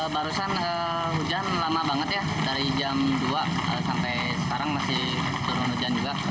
barusan hujan lama banget ya dari jam dua sampai sekarang masih turun hujan juga